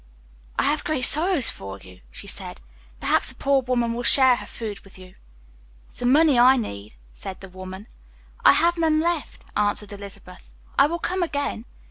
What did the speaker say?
"I have great sorrows for you," she said. "Perhaps the poor woman will share her food with you." "It's the money I need," said the woman. "I have none left," answered Elizabeth. "I will come again."